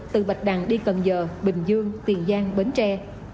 từ bạch đằng đi cần giờ bình dương tiền giang bến tre